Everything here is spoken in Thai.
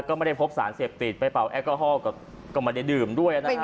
ก็ไม่ได้พบสารเสพติดไปเป่าแอลกอฮอลก็ไม่ได้ดื่มด้วยนะฮะ